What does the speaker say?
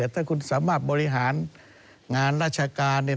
ถ้าคุณสามารถบริหารงานราชการเนี่ย